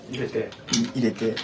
入れて。